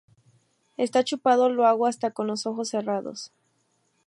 Está chupado, lo hago hasta con los ojos cerrados